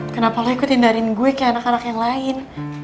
kenapa lo ikut indarin gue kayak anak anak yang lain